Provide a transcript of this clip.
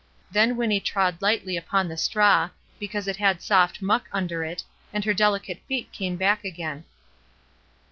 Then Winnie trod lightly upon the straw, because it had soft muck under it, and her delicate feet came back again.